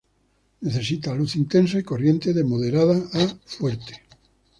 Necesita luz intensa y corriente de moderada a fuerte.